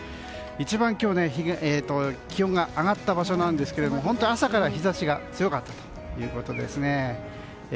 一番気温が上がった場所ですが朝から日差しが強かったということです。